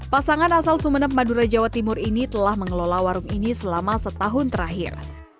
pasangan asal sumeneb madura jawa timur ini telah mengelola warung ini selama setahun terakhir